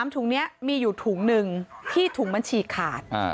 ถุงนี้มีอยู่ถุงหนึ่งที่ถุงบัญชีขาด